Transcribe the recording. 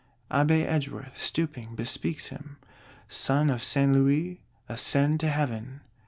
Abbé Edgeworth, stooping, bespeaks him: "Son of Saint Louis, ascend to Heaven."